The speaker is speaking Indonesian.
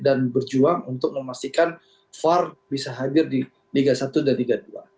dan berjuang untuk memastikan far bisa hadir di liga satu dan liga dua